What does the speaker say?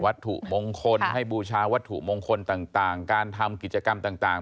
วัตถุมงคลให้บูชาวัตถุมงคลต่างการทำกิจกรรมต่าง